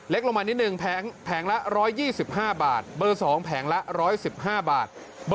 เล็กลงมานิดหนึ่งแผงละ๑๒๕บาท